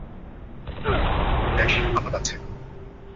বেশ, আমার আছে!